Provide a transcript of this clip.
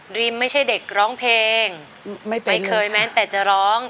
ริมไม่ใช่เด็กร้องเพลงไม่เคยแม้แต่จะร้อง